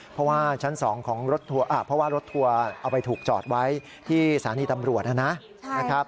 เพราะว่ารถทัวร์เอาไปถูกจอดไว้ที่ศาลีตำรวจนะครับ